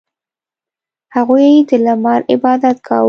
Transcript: • هغوی د لمر عبادت کاوه.